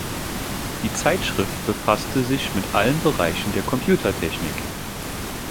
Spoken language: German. Die Zeitschrift befasste sich mit allen Bereichen der Computertechnik.